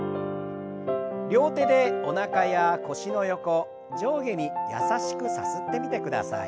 両手でおなかや腰の横上下に優しくさすってみてください。